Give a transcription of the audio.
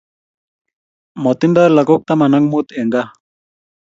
Matindo lakok tama ak mut en kaa